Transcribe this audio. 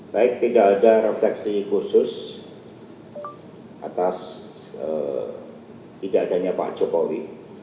baik tidak ada refleksi khusus atas tidak adanya pak jokowi